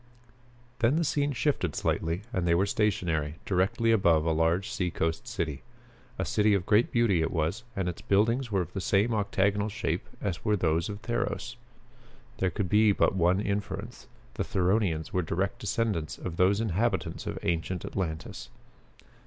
Then the scene shifted slightly and they were stationary, directly above a large seacoast city. A city of great beauty it was, and its buildings were of the same octagonal shape as were those of Theros! There could be but one inference the Theronians were direct descendants of those inhabitants of ancient Atlantis.